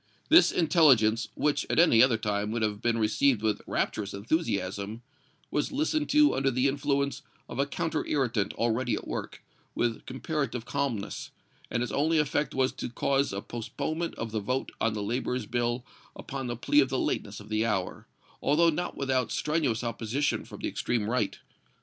This intelligence, which, at any other time, would have been received with rapturous enthusiasm, was listened to under the influence of a counterirritant already at work, with comparative calmness, and its only effect was to cause a postponement of the vote on the laborers' bill upon the plea of the lateness of the hour, although not without strenuous opposition from the extreme right.